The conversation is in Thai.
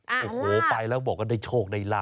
อ้าวลาบโอ้โหไปแล้วบอกว่าได้โชคในล่ะ